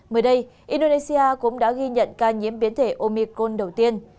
mới đây indonesia cũng đã ghi nhận ca nhiễm biến thể omicron